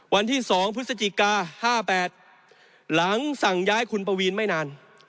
วันที่๒พฤศจิกา๕๘หลังสั่งย้ายคุณปวีนไม่นาน